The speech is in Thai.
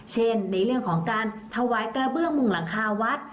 ในเรื่องของการถวายกระเบื้องมุงหลังคาวัด